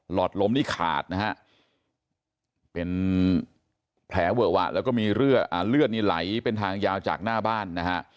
อดลมนี่ขาดนะฮะเป็นแผลเวอะวะแล้วก็มีเลือดนี่ไหลเป็นทางยาวจากหน้าบ้านนะฮะ